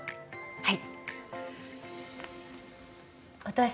はい。